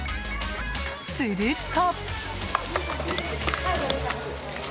すると。